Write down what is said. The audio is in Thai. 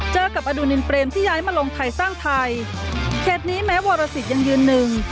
เจอกับอดูนินเปรมที่ย้ายมาลงไทยสร้างไทยเขตนี้แม้วรสิตยังยืนหนึ่ง